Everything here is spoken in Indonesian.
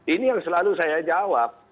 ini yang selalu saya jawab